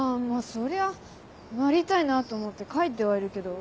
そりゃなりたいなと思って描いてはいるけど。